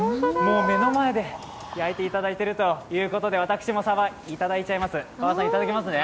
目の前で焼いていただいているということで私もサバ、いただいちゃいます。